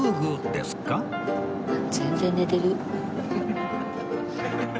全然寝てる。